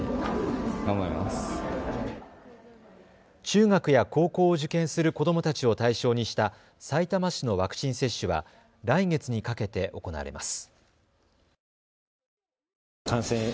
中学や高校を受験する子どもたちを対象にしたさいたま市のワクチン接種は来月にかけて行われます。